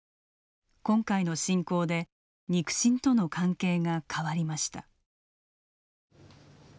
今回の侵攻で肉親との関係が変わりました。